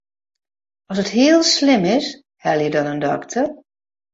As it heel slim is, helje dan in dokter.